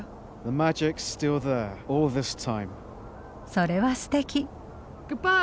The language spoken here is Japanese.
それはすてき。